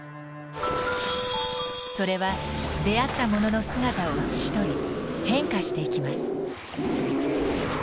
それは出会ったものの姿を写し取り変化していきます。